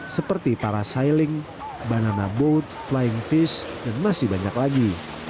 seperti parasiling banana boat flying fish dan masih banyak lagi